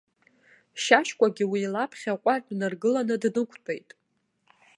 Шьашькәагьы уи лаԥхьа аҟәардә наргыланы днықәтәеит.